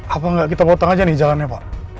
apa nggak kita potong aja nih jalannya pak